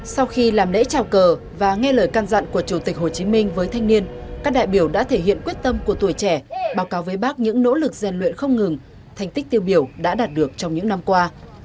sau khi làm lễ trào cờ và nghe lời can dặn của chủ tịch hồ chí minh với thanh niên các đại biểu đã thể hiện quyết tâm của tuổi trẻ báo cáo với bác những nỗ lực gian luyện không ngừng thành tích tiêu biểu đã đạt được trong những năm qua